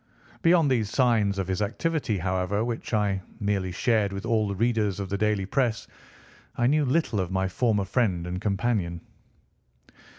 Beyond these signs of his activity, however, which I merely shared with all the readers of the daily press, I knew little of my former friend and companion.